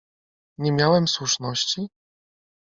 "Nie miałem słuszności?"